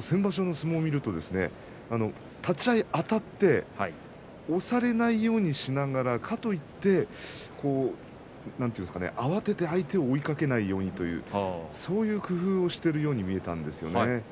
先場所の相撲を見ると立ち合いあたって押されないようにしながらかと言って、慌てて相手を追いかけないようにというそういう工夫をしているように見えたんですよね。